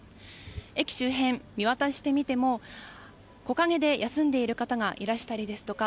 駅周辺を見渡してみても木陰で休んでいる方がいらしたりですとか